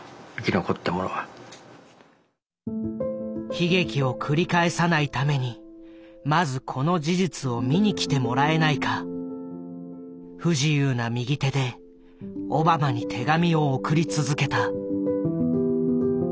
悲劇を繰り返さないためにまずこの事実を見に来てもらえないか不自由な右手でオバマに手紙を送り続けた。